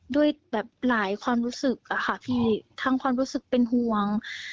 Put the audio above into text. ด้วยแบบหลายความรู้สึกอะค่ะพี่ทั้งความรู้สึกเป็นห่วง